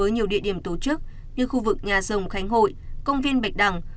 ở nhiều địa điểm tổ chức như khu vực nhà rồng khánh hội công viên bạch đằng